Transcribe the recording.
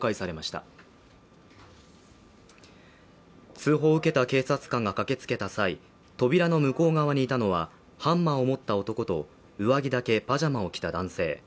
通報を受けた警察官が駆けつけた際、扉の向こう側にいたのはハンマーを持った男と上着だけパジャマを着た男性。